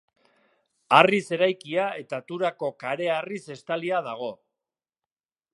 Harriz eraikia eta Turako kareharriz estalia dago.